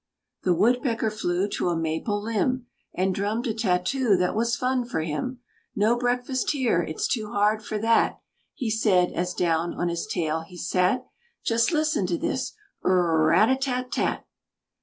The woodpecker flew to a maple limb, And drummed a tattoo that was fun for him. "No breakfast here! It's too hard for that," He said, as down on his tail he sat. Just listen to this: rrrrr rat tat tat.